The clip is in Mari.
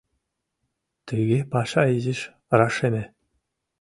Тыге паша изиш рашеме.